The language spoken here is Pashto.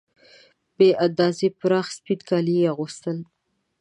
بې اندازې پراخ سپین کالي یې اغوستل.